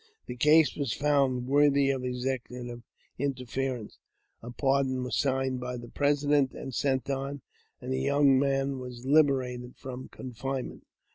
The case wa» found worthy of executive interference ; a pardon was signed by the President and sent on, and the young man was liberated from confinement.